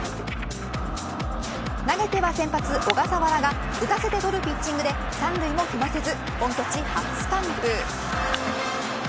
投げては先発、小笠原が打たせてとるピッチングで三塁も踏ませず本拠地、初完封。